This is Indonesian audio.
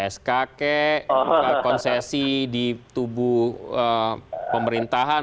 sk ke konsesi di tubuh pemerintahan